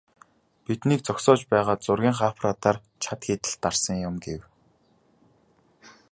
"Биднийг зогсоож байгаад зургийнхаа аппаратаар чад хийлгээд дарсан юм" гэв.